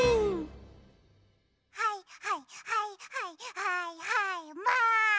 はいはいはいはいはいはいマン！